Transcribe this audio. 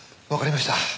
わかりました。